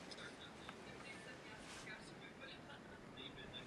Patří jim dodnes.